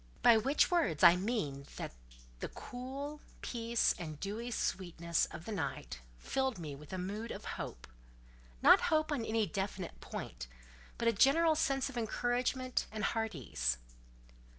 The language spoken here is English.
By which words I mean that the cool peace and dewy sweetness of the night filled me with a mood of hope: not hope on any definite point, but a general sense of encouragement and heart ease.